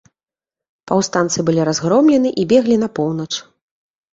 Паўстанцы былі разгромлены і беглі на поўнач.